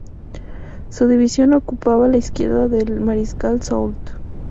Su división ocupaba la izquierda del mariscal Soult.